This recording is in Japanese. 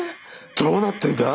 どうなってんだ？